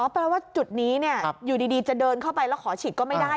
แปลว่าจุดนี้อยู่ดีจะเดินเข้าไปแล้วขอฉีดก็ไม่ได้